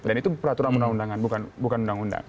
dan itu peraturan undang undangan bukan undang undang